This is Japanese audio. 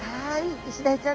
イシダイちゃん。